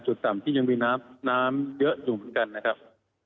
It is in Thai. จุดต่ำที่ยังมีน้ำเยอะอยู่เหมือนกันนะครับ